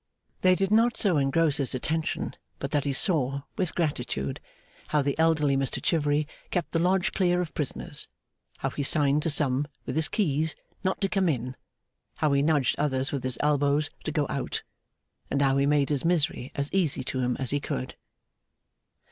They did not so engross his attention, but that he saw, with gratitude, how the elder Mr Chivery kept the Lodge clear of prisoners; how he signed to some, with his keys, not to come in, how he nudged others with his elbows to go out, and how he made his misery as easy to him as he could.